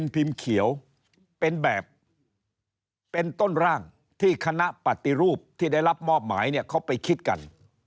เป็นแบบเป็นต้นร่างที่คณะปฏิรูปที่ได้รับมอบหมายเขาไปคิดกัน